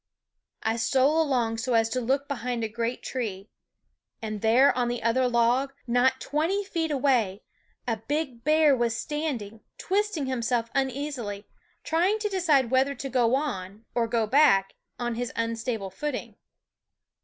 I stole along so as to look behind a great tree and there on the other log, not twenty feet away, a big bear was standing, twisting himself uneasily, trying to decide whether to go on or go back on his unstable footing.